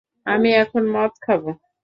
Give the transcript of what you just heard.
আমি এখন মদ খাবো।